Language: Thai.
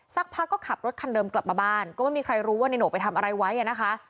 สักพักก็ขับรถคันเดิมกลับมาบ้านก็ไม่มีใครรู้ว่าในโหไปทำอะไรไว้อ่ะนะคะ